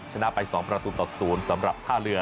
ชนะไป๒ประตูต่อ๐สำหรับท่าเรือ